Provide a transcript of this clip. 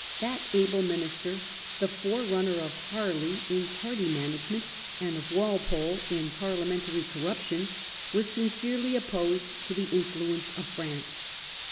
That able minister — the fore policy of runner of Harley in party management, and of Walpole in parliamentary corruption — was sincerely opposed to the influence of France.